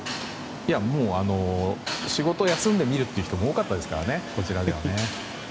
もう仕事を休んで見るという人も多かったですからね、こちらは。